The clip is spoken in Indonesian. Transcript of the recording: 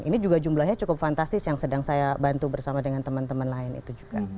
ini juga jumlahnya cukup fantastis yang sedang saya bantu bersama dengan teman teman lain itu juga